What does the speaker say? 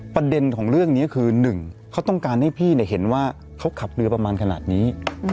ประเด็นของเรื่องนี้คือ๑เขาต้องการให้พี่เห็นว่าเขาขับเรือประมาณขนาดนี้